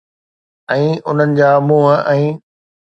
۽ انهن جا منهن ۽